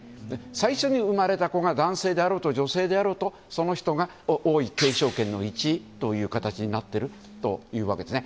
最初に生まれた子が男性であろうと女性であろうとその人が王位継承権の１位という形になっているわけですね。